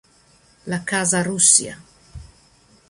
La casa Russia